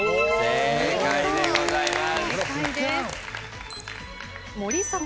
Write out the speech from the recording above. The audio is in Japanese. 正解でございます。